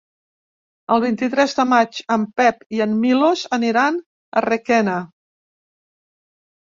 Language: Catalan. El vint-i-tres de maig en Pep i en Milos aniran a Requena.